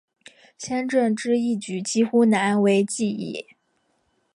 先正之义举几乎难为继矣。